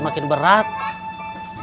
aku sudah tahan